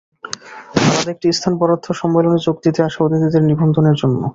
আলাদা একটি স্থান বরাদ্দ সম্মেলনে যোগ দিতে আসা অতিথিদের নিবন্ধনের জন্য।